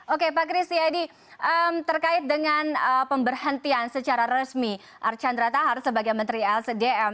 oke pak kristi jadi terkait dengan pemberhentian secara resmi archandra thakar sebagai menteri lcdm